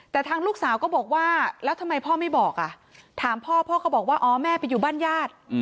เธอบอกว่าอ๋อแม่ไปอยู่บ้านญาติ